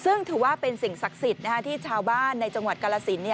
ซึ่งถือว่าเป็นสิ่งศักดิ์สิทธิ์ที่ชาวบ้านในจังหวัดกาลสิน